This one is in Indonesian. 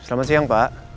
selamat siang pak